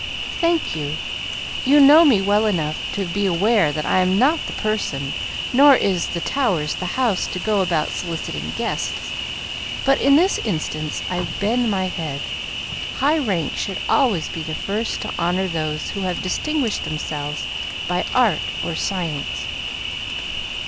"Thank you. You know me well enough to be aware that I am not the person, nor is the Towers the house, to go about soliciting guests. But in this instance I bend my head; high rank should always be the first to honour those who have distinguished themselves by art or science."